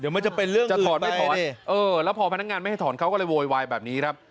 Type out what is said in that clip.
เดี๋ยวมันจะเป็นเรื่องอื่นไหมเนี่ยเออและพอพนักงานไม่ให้ถอนเขาก็เลยโวยวายแบบนี้ครับ